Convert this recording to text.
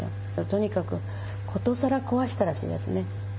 とにかくことさら壊したらしいですね。